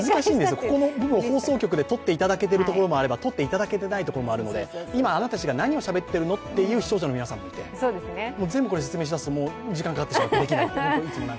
ここの部分を放送局でとっていただけているところもあれば、とっていただけていないところもあるので、あなたたちは何をしゃべっているのと、視聴者の皆さんもいて、全部説明しだすと時間がかかってできない。